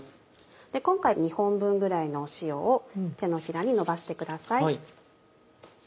今回２本分ぐらいの塩を手のひらにのばしてください。